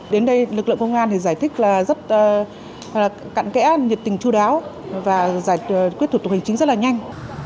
đến đây lực lượng công an giải thích rất cạn kẽ nhiệt tình chú đáo và quyết thuật tục hành chính rất là nhanh